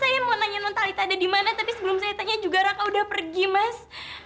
saya mau nanya non talita ada di mana tapi sebelum saya tanya juga raka udah pergi mas